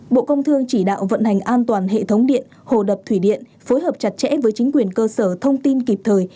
bộ công thương chỉ đạo vận hành an toàn hệ thống điện hồ đập thủy điện phối hợp chặt chẽ với chính quyền cơ sở thông tin kịp thời